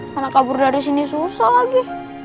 karena kabur dari sini susah lagi